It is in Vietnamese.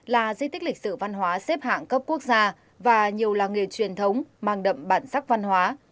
là di tích lịch sử văn hóa xếp hạng cấp quốc gia và nhiều làng nghề truyền thống mang đậm bản sắc văn hóa